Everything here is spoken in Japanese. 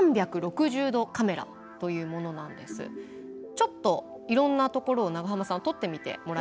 ちょっといろんな所を長濱さん撮ってみてもらえませんか。